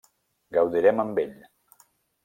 Gaudirem amb ell.